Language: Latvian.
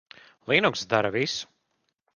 Linux dara visu.